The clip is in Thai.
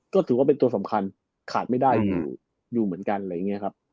ก็ถือว่าเป็นตัวสำคัญขาดไม่ได้อยู่เหมือนกันอะไรอย่างนี้ครับ